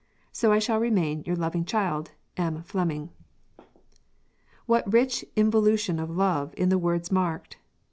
So I shall remain, your loving child_, M. FLEMING." What rich involution of love in the words marked!